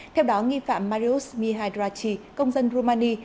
theo đó nghi phạm marius mihai draghi công dân rumani